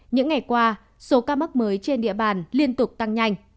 những ngày qua số ca mắc mới trên địa bàn liên tục tăng nhanh